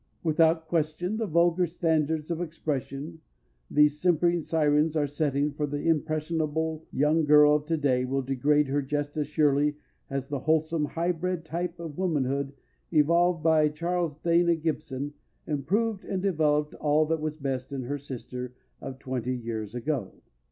Without question, the vulgar standards of expression these simpering sirens are setting for the impressionable young girl of today will degrade her just as surely as the wholesome, high bred type of womanhood evolved by Charles Dana Gibson improved and developed all that was best in her sister of twenty years ago.